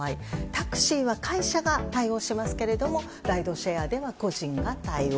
タクシーは会社が対応しますけれどもライドシェアでは個人が対応。